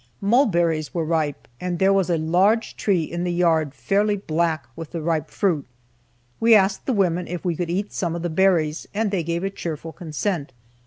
Mulberries were ripe, and there was a large tree in the yard fairly black with the ripe fruit. We asked the women if we could eat some of the berries, and they gave a cheerful consent.